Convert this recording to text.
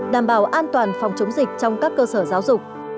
đảm bảo an toàn phòng chống dịch trong các cơ sở giáo dục